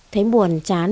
thấy buồn chán